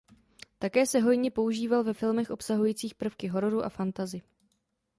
Také se hojně používal ve filmech obsahujících prvky hororu a fantasy.